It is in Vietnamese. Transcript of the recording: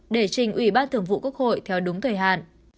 để trình ủy ban thường vụ quốc hội theo đúng thời hạn